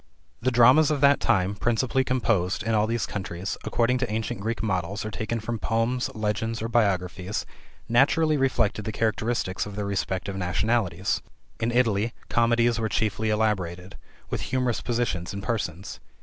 The dramas of that time, principally composed, in all these countries, according to ancient Greek models, or taken from poems, legends, or biographies, naturally reflected the characteristics of their respective nationalities: in Italy comedies were chiefly elaborated, with humorous positions and persons.